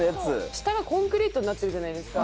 下がコンクリートになってるじゃないですか。